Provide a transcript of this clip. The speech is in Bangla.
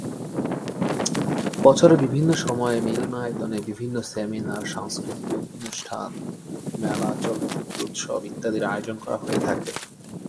বছরের বিভিন্ন সময়ে মিলনায়তনে বিভিন্ন সেমিনার, সাংস্কৃতিক অনুষ্ঠান, মেলা, চলচ্চিত্র উৎসব ইত্যাদির আয়োজন করা হয়ে থাকে।